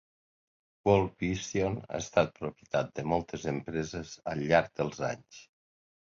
Worldvision ha estat propietat de moltes empreses al llarg dels anys.